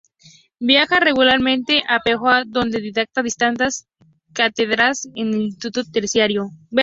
Viaja regularmente a Pehuajó donde dicta distintas cátedras en un instituto terciario.